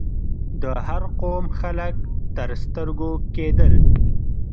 د هر قوم خلک تر سترګو کېدل.